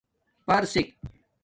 پرسک